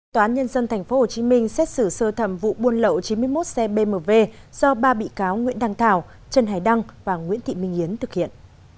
tòa án nhân dân tp hcm xét xử sơ thẩm vụ buôn lậu chín mươi một xe bmw do ba bị cáo nguyễn đăng thảo trần hải đăng và nguyễn thị minh yến thực hiện